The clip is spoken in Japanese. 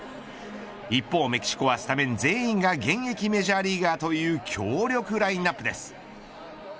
一方メキシコはスタメン全員が現役メジャーリーガーという強力ラインアップです。